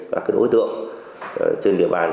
và đối tượng trên địa bàn